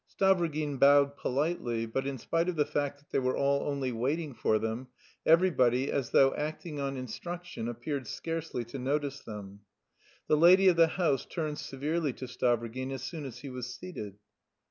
Stavrogin bowed politely, but in spite of the fact that they were all only waiting for them, everybody, as though acting on instruction, appeared scarcely to notice them. The lady of the house turned severely to Stavrogin as soon as he was seated.